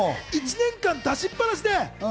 １年間、出しっぱなしで。